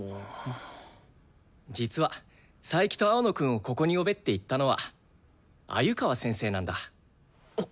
実は佐伯と青野くんをここに呼べって言ったのは鮎川先生なんだ。